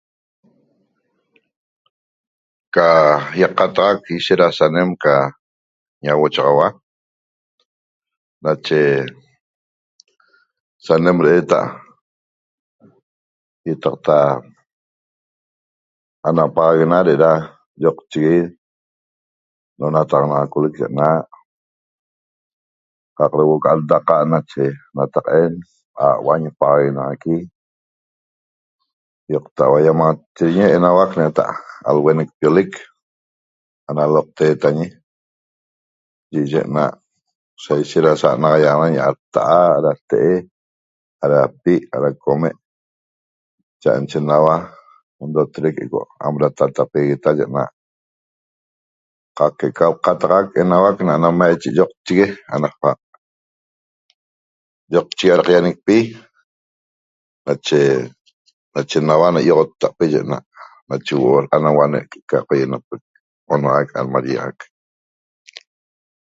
Ca yaqataxac ishet da samen ca ñauochaxaua nache sanem da 'eeta yetaqtaa 'anapaxaguena de'eda yoqchigui l'onaxataxanacolec yi na'aq qaq da huo'o ca 'aldaqa nache nataqa'en aua' añi paxaguenaxaqui yoqta 'auayamaxachiguiñi enuac enata'e alhuenecpiolec analocteetañi yi'iye na'aq saishet da sanaxayaxana ñi 'adta'a 'adate'e 'adapi' 'adaqome cha' nache naua ndotrec da 'am datataapegueta ye na'aq qaq que'eca lqataxac na maiche yi'oqchigue 'adaquianicpi nache nache naua na yoxottape ye na'aq nache 'anauane ca 'onaxaic mashiyaxac